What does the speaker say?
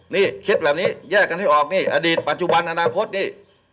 นี่คิดแบบนี้แยกกันให้ออกนี่อดีตปัจจุบันอนาคตนี่